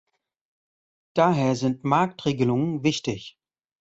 Daher sind Marktregelungen wichtig.